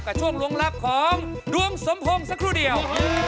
ช่วงลวงลับของดวงสมพงษ์สักครู่เดียว